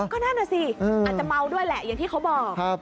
ก็นั่นน่ะสิอาจจะเมาด้วยแหละอย่างที่เขาบอก